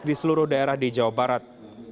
di seluruh daerah di jawa barat